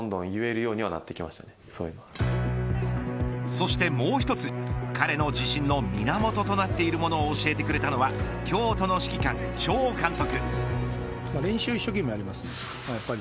そしてもう１つ彼の自信の源となっているものを教えてくれたのは京都の指揮官、チョウ監督。